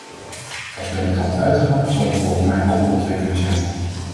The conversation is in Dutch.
Als wij die kant uitgaan, zal dat volgens mij een goede ontwikkeling zijn.